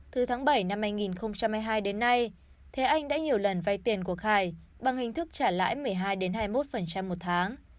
từ tháng bảy năm hai nghìn hai mươi hai đến nay thế anh đã nhiều lần vay tiền của khải bằng hình thức trả lãi một mươi hai hai mươi một một tháng